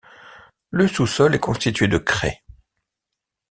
Le sous-sol est constitué de craie.